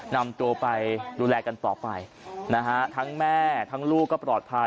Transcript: นำตัวไปดูแลกันต่อไปนะฮะทั้งแม่ทั้งลูกก็ปลอดภัย